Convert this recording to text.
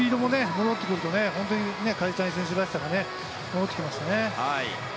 積極性、スピードも戻ってくると梶谷選手らしさが戻ってきましたね。